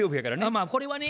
まあこれはね。